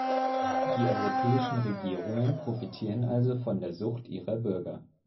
Die europäischen Regierungen profitieren also von der Sucht ihrer Bürger.